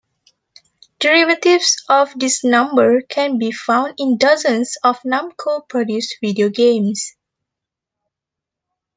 Derivatives of this number can be found in dozens of Namco produced video games.